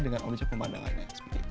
dengan objek pemandangannya